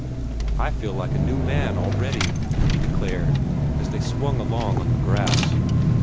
"I feel a new man already," he declared, as they swung along on the grass.